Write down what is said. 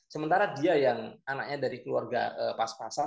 sementara dia yang anaknya dari keluarga pas pasan